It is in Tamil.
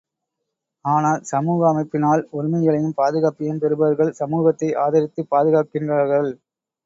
ஆனால் சமூக அமைப்பினால் உரிமைகளையும் பாதுகாப்பையும் பெறுபவர்கள் சமூகத்தை ஆதரித்துப் பாது காக்கின்றார்கள்.